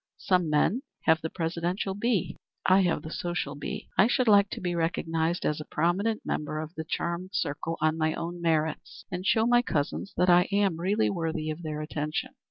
Some men have the presidential bee; I have the social bee. I should like to be recognized as a prominent member of the charmed circle on my own merits and show my cousins that I am really worthy of their attention.